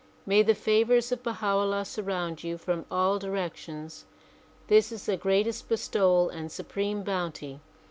May the favors of Baha 'Ullah surround you from all direc tions. This is the greatest bestowal and supreme bounty.